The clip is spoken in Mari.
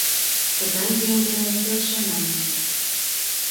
Тыгай еҥ дене келшенам мый...